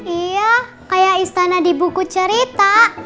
iya kayak istana di buku cerita